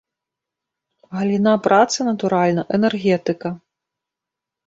Галіна працы, натуральна, энергетыка.